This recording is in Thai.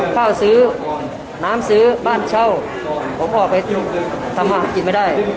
ข้าวซื้อน้ำซื้อบ้านเช่าผมออกไปทำอาหารกินไม่ได้